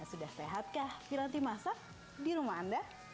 sudah sehatkah piranti masak di rumah anda